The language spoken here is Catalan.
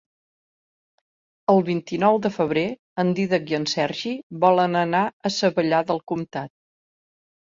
El vint-i-nou de febrer en Dídac i en Sergi volen anar a Savallà del Comtat.